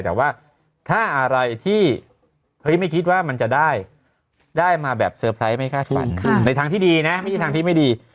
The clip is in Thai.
แต่ว่าถ้าอะไรที่เฮ้ยไม่คิดว่ามันจะได้มาแบบเซอร์ไพรส์ไม่คาดฝันในทางที่ดีนะไม่ใช่ทางที่ไม่ดี